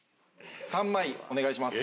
３枚お願いします。